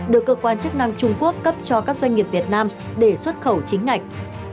được cơ quan chức năng trung quốc cấp cho các doanh nghiệp việt nam để xuất khẩu chính ngạch